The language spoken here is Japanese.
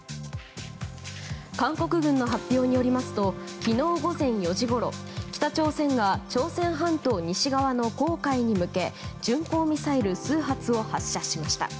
韓国軍の発表によりますと昨日午前４時ごろ北朝鮮が朝鮮半島西側の黄海に向け巡航ミサイル数発を発射しました。